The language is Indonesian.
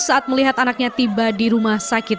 saat melihat anaknya tiba di rumah sakit